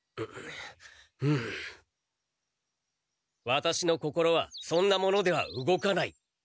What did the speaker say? ワタシの心はそんなものでは動かない。